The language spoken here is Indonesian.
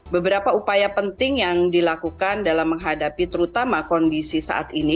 beberapa upaya penting yang dilakukan dalam menghadapi terutama kondisi saat ini